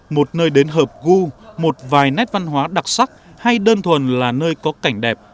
một nơi đến hợp gu một vài nét văn hóa đặc sắc hay đơn thuần là nơi có cảnh đẹp